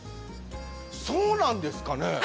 そうなんですかね？